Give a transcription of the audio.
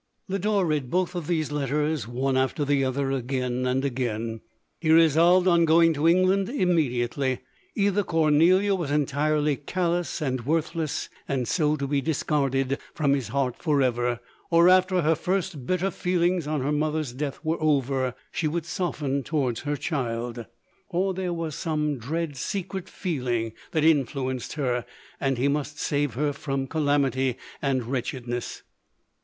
11 Lodore read both of these letters, one after the other, again and again. He resolved on going to England immediately. Either Cor nelia was entirely callous and worthless, and so to be discarded from his heart for ever, or after her first bitter feelings on her mother's death were over, she would soften towards her child, or there was some dread secret feeling that in fluenced her, and he must save her from cala mity and wretchedness.